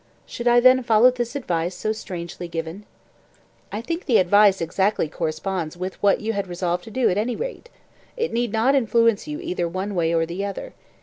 "Should I then follow this advice so strangely given?" "I think the advice exactly corresponds with what you had resolved to do at any rate. It need not influence you either one way or the other.